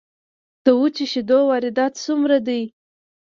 د وچو شیدو واردات څومره دي؟